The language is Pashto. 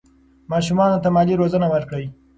ماشومانو ته مالي روزنه ورکړئ.